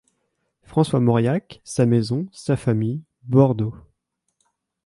François Mauriac, sa maison, sa famille, Bordeaux...